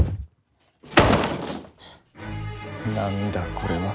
何だこれは。